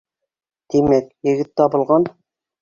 Тимәк, егет табылған.